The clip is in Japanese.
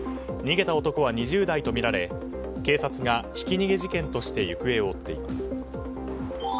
逃げた男は２０代とみられ警察がひき逃げ事件として行方を追っています。